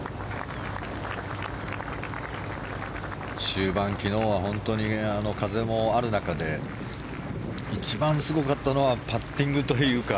終盤、昨日は本当に風もある中で一番すごかったのはパッティングというか。